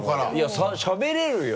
しゃべれるよ。